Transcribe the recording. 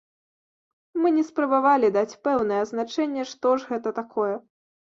Мы не спрабавалі даць пэўнае азначэнне, што ж гэта такое.